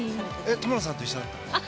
友野さんと一緒だったの？